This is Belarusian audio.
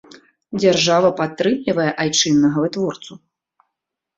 Дзяржава падтрымлівае айчыннага вытворцу.